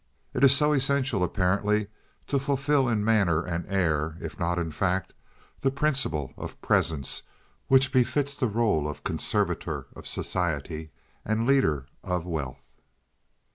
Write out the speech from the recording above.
It is so essential apparently to fulfil in manner and air, if not in fact, the principle of "presence" which befits the role of conservator of society and leader of wealth.